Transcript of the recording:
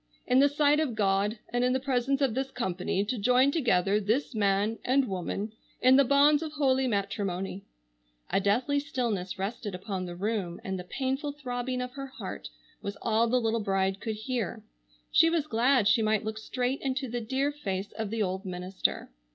—"in the sight of God and in the presence of this company to join together this man and woman in the bonds of holy matrimony;"—a deathly stillness rested upon the room and the painful throbbing of her heart was all the little bride could hear. She was glad she might look straight into the dear face of the old minister.